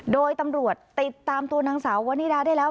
โดยตำรวจติดตามตัวนางสาววนิดาได้แล้ว